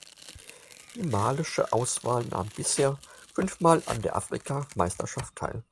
Die malische Auswahl nahm bisher fünfmal an der Afrikameisterschaft teil.